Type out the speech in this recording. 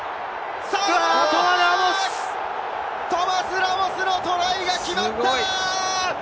トマ・ラモスのトライが決まった！